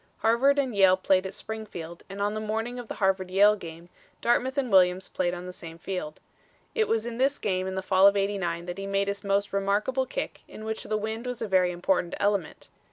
Harvard and Yale played at Springfield and on the morning of the Harvard Yale game Dartmouth and Williams played on the same field. It was in this game in the Fall of '89 that he made his most remarkable kick in which the wind was a very important element.